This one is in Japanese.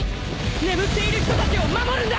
眠っている人たちを守るんだ！